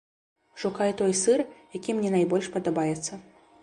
Шукаю той сыр, які мне найбольш падабаецца.